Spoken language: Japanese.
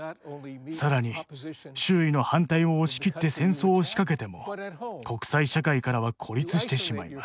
更に周囲の反対を押し切って戦争を仕掛けても国際社会からは孤立してしまいます。